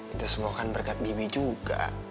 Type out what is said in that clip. itu semua kan berkat bibi juga